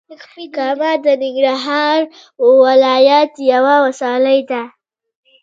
کامه د ننګرهار ولايت یوه ولسوالې ده.